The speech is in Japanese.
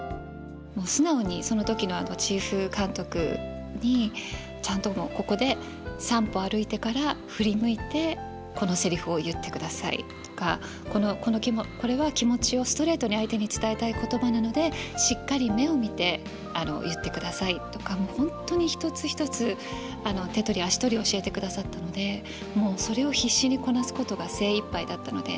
もう素直にその時のチーフ監督にちゃんともう「ここで３歩歩いてから振り向いてこのセリフを言ってください」とか「これは気持ちをストレートに相手に伝えたい言葉なのでしっかり目を見て言ってください」とかもう本当に一つ一つ手取り足取り教えてくださったのでもうそれを必死にこなすことが精いっぱいだったので。